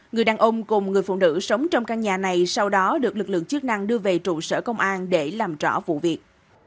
người đàn ông cùng người phụ nữ sống trong căn nhà này sau đó được lực lượng chức năng đưa về trụ sở công an để làm rõ vụ việc